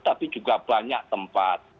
tapi juga banyak tempat